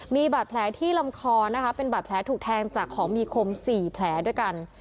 มีบาดแผลที่ลำคอนะคะเป็นบาดแผลถูกแทงจากของมีคม๔แผลด้วยกัน